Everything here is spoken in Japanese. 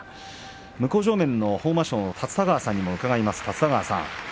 向正面の豊真将の立田川さんにも伺います。